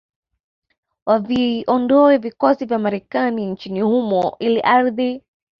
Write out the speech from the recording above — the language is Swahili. waviondoe vikosi vya Marekani nchini humo ili ardhi